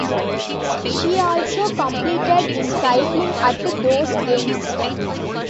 She also competed in cycling at those games.